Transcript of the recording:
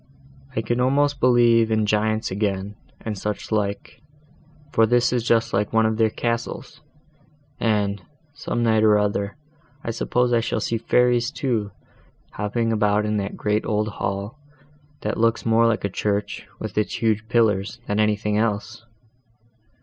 I can almost believe in giants again, and such like, for this is just like one of their castles; and, some night or other, I suppose I shall see fairies too, hopping about in that great old hall, that looks more like a church, with its huge pillars, than anything else."